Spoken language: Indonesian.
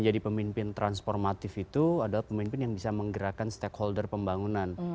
jadi pemimpin transformatif itu adalah pemimpin yang bisa menggerakkan stakeholder pembangunan